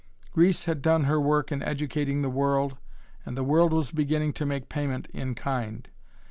Greece had done her work in educating the world and the world was beginning to make payment in kind.